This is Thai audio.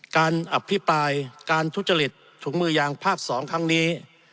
การอภิปรายการทุจริตถุงมือยางภาค๒ครั้งนี้